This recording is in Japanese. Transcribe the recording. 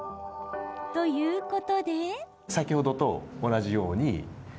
ということで。